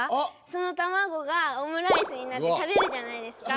そのたまごがオムライスになって食べるじゃないですか。